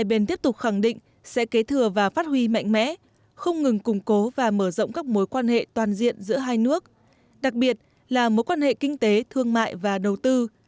hai bên tiếp tục khẳng định sẽ kế thừa và phát huy mạnh mẽ không ngừng củng cố và mở rộng các mối quan hệ toàn diện giữa hai nước đặc biệt là mối quan hệ kinh tế thương mại và đầu tư